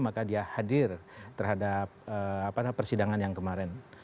maka dia hadir terhadap persidangan yang kemarin